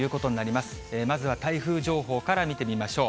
まずは台風情報から見てみましょう。